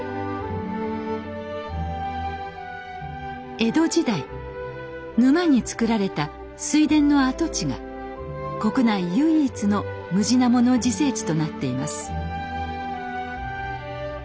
江戸時代沼に作られた水田の跡地が国内唯一のムジナモの自生地となっています。